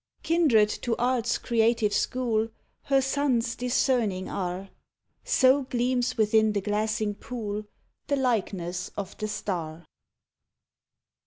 Kindred to Art's creative school Her sons discerning are : So gleams within the glassing pool The likeness of the star.